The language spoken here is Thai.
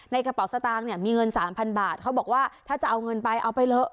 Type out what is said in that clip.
กระเป๋าสตางค์เนี่ยมีเงิน๓๐๐บาทเขาบอกว่าถ้าจะเอาเงินไปเอาไปเถอะ